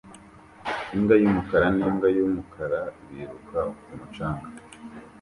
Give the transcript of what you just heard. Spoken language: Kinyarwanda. Imbwa y'umukara n'imbwa yumukara biruka ku mucanga